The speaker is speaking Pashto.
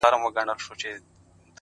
په څو ساعته دې د سترگو باڼه و نه رپي-